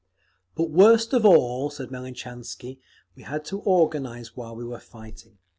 "But worst of all," said Melnichansky, "we had to organise while we were fighting.